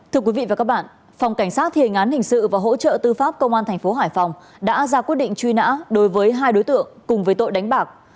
thưa quý vị và các bạn phòng cảnh sát thiền án hình sự và hỗ trợ tư pháp công an thành phố hải phòng đã ra quyết định truy nã đối với hai đối tượng cùng với tội đánh bạc